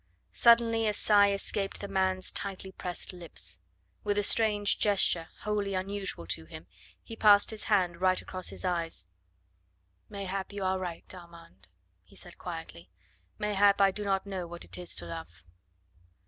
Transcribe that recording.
Suddenly a sigh escaped the man's tightly pressed lips. With a strange gesture, wholly unusual to him, he passed his hand right across his eyes. "Mayhap you are right, Armand," he said quietly; "mayhap I do not know what it is to love."